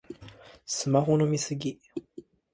スマホの見過ぎ